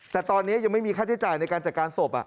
แต่ตอนนี้ยังไม่มีค่าใช้จ่ายในการจัดการศพ